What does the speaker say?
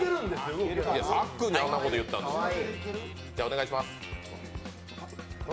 さっくんにあんなこと言ったんだから。